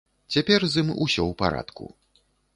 Цяпер з ім усё ў парадку.